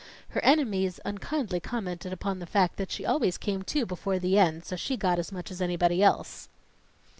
Her enemies unkindly commented upon the fact that she always came to before the end, so she got as much as anybody else.